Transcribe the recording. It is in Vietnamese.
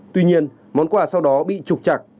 tuy nhiên món quà sau đó bị trục chặt